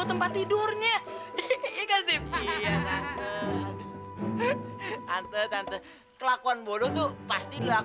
lihat dia udah jadi anak yang baik